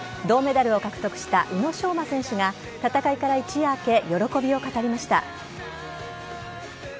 銅メダルを獲得した宇野昌磨選手が戦いから一夜明け喜びを語りました。